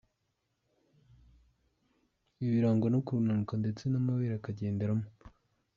Ibi birangwa no kunanuka ndetse n’amabere akagenderamo.